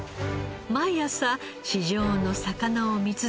毎朝市場の魚を見続け